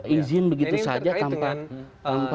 izin begitu saja tanpa apa namanya